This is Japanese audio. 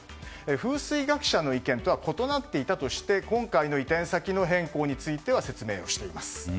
風水学者の意見とは異なっていたとして今回の移転先の変更については説明しています。